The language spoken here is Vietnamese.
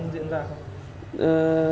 không ra không